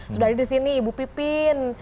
sudah ada di sini ibu pipin